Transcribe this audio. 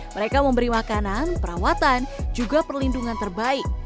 mereka memberi makanan perawatan juga perlindungan terbaik